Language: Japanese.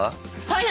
はい。